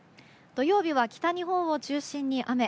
土曜日は北日本を中心に雨。